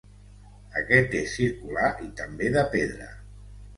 Aquest és circular i també de pedra.